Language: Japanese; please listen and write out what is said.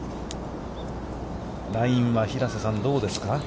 ラインは平瀬さん、どうですか。